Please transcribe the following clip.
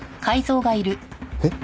えっ？